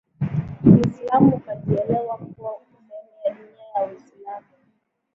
Kiislamu ukajielewa kuwa sehemu ya dunia ya Uislamu